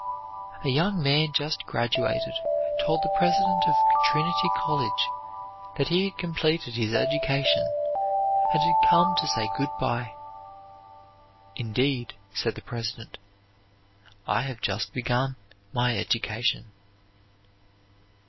A young man just graduated told the President of Trinity College that he had completed his education, and had come to say good by. "Indeed," said the President, "I have just begun my education."